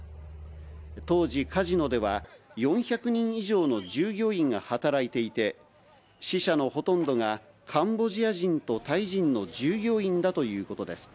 当時カジノでは、４００人以上の従業員が働いていて、死者のほとんどがカンボジア人とタイ人の従業員だということです。